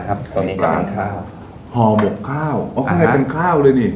ห่อหมกข้าวอ๋อใครเป็นข้าวเลยนี่